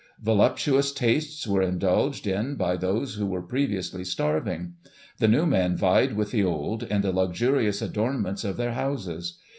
Voluptuous tastes were in dulged in by those who were previously starving. The new men vied with the old, in the luxurious adornments of their houses.